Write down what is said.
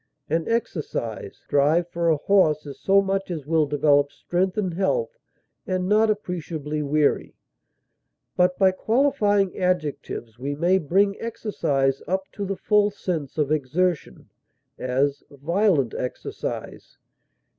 An exercise drive for a horse is so much as will develop strength and health and not appreciably weary. But by qualifying adjectives we may bring exercise up to the full sense of exertion; as, violent exercise.